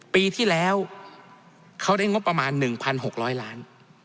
ปีที่แล้วเขาได้งบประมาณ๑๖๐๐ล้าน